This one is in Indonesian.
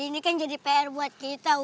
ini kan jadi pr buat kita